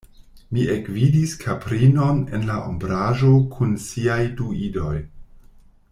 Mi ekvidis kaprinon en la ombraĵo kun siaj du idoj.